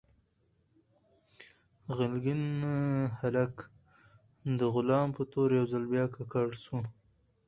غلګن هالک د غلا په تور يو ځل بيا ککړ سو